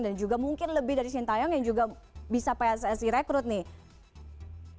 dan juga mungkin lebih dari shintayong yang juga bisa pssi rekrut nih